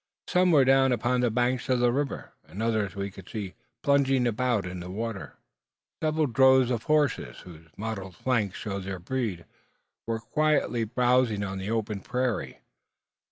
Some were down upon the banks of the river, and others we could see plunging about in the water. Several droves of horses, whose mottled flanks showed their breed, were quietly browsing on the open prairie.